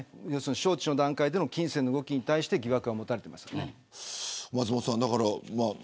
招致の段階での金銭の動きに対して、疑惑が持たれています。